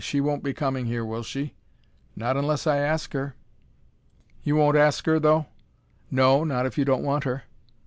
"She won't be coming here, will she?" "Not unless I ask her." "You won't ask her, though?" "No, not if you don't want her."